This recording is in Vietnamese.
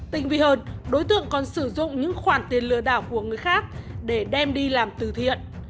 tinh vi hơn đối tượng còn sử dụng những khoản tiền lừa đảo của người khác để đem đi làm từ thiện